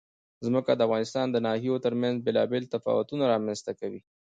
ځمکه د افغانستان د ناحیو ترمنځ بېلابېل تفاوتونه رامنځ ته کوي.